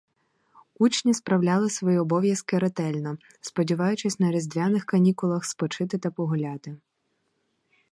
Учні справляли свої обов'язки ретельно, сподіваючись на різдвяних канікулах спочити та погуляти.